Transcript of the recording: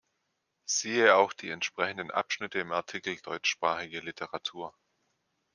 Siehe auch die entsprechenden Abschnitte im Artikel Deutschsprachige Literatur.